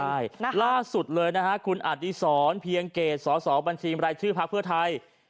ใช่ล่าสุดเลยนะคะคุณอาธิสร์นเพียงเกษสสบรธิมรายชื่อภักดิ์เพื่อไทย